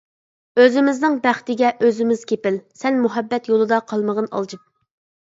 ئۆزىمىزنىڭ بەختىگە ئۆزىمىز كېپىل؟ سەن مۇھەببەت يولىدا قالمىغىن ئالجىپ.